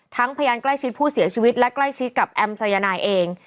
พยานใกล้ชิดผู้เสียชีวิตและใกล้ชิดกับแอมสายนายเอง